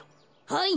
はい！